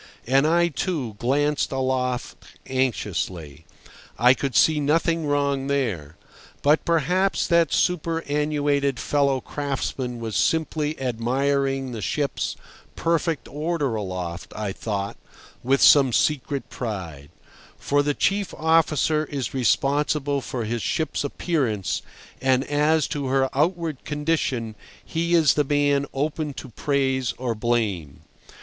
And I, too, glanced aloft anxiously. I could see nothing wrong there. But perhaps that superannuated fellow craftsman was simply admiring the ship's perfect order aloft, I thought, with some secret pride; for the chief officer is responsible for his ship's appearance, and as to her outward condition, he is the man open to praise or blame.